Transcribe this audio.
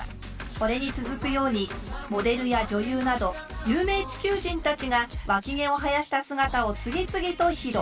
これに続くようにモデルや女優など有名地球人たちがワキ毛を生やした姿を次々と披露。